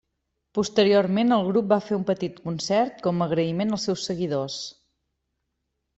Posteriorment, el grup va fer un petit concert com a agraïment als seus seguidors.